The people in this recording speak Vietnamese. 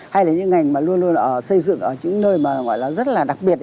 hay là những ngành mà luôn luôn xây dựng ở những nơi mà gọi là rất là đặc biệt